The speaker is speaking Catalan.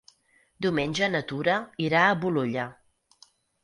Diumenge na Tura irà a Bolulla.